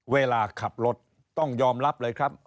เวลาขับรถต้องยอมรับเลยครับ